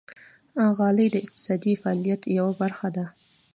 غالۍ د اقتصادي فعالیت یوه برخه ده.